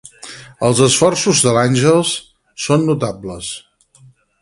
Els esforços de l'Àngels són notables.